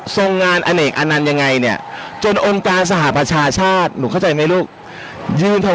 ทรงงานอเนกอานานยังไงเนี่ย